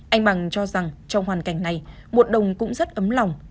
anh bằng cho rằng trong hoàn cảnh này một đồng cũng rất ấm lòng